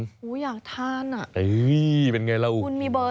อยากทานอ่ะคุณมีเบอร์สั่งไหม